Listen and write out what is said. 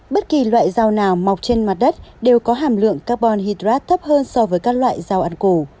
bất kỳ loại dầu nào mọc trên mặt đất đều có hàm lượng carbon hydrate thấp hơn so với các loại dầu ăn củ